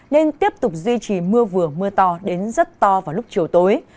nên tiếp tục duy trì mưa vừa mưa to đến rất to vào lúc chiều tối